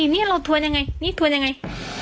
นี่เราทวนยังไง